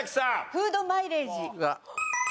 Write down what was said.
フードマイレージ。